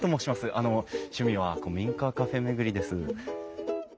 あの趣味は古民家カフェ巡りです。